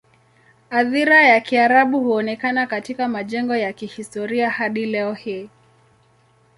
Athira ya Kiarabu huonekana katika majengo ya kihistoria hadi leo hii.